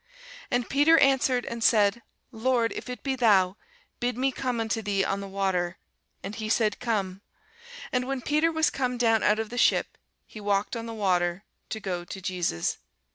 And Peter answered him and said, Lord, if it be thou, bid me come unto thee on the water. And he said, Come. And when Peter was come down out of the ship, he walked on the water, to go to Jesus.